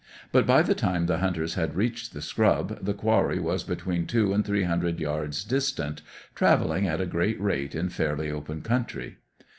But, by the time the hunters had reached the scrub, the quarry was between two and three hundred yards distant, travelling at a great rate in fairly open country.